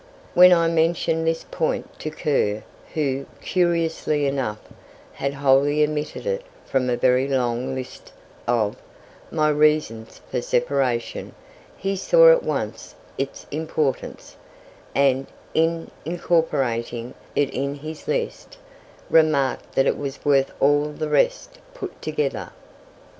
When I mentioned this point to Curr, who, curiously enough, had wholly omitted it from a very long list of "my reasons for separation," he saw at once its importance, and, in incorporating it in his list, remarked that it was worth all the rest put together.